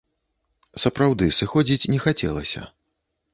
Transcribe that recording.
Сапраўды, сыходзіць не хацелася.